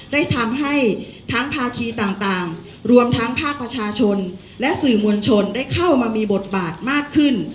ได้ทำให้ทั้งภาคีต่างรวมทั้งภาคประชาชนและสื่อมวลชนได้เข้ามามีบทบาทมากขึ้น